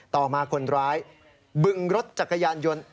ต่อมาคนร้ายบึงรถจักรยานยนต์